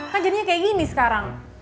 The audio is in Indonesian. kan jadinya kayak gini sekarang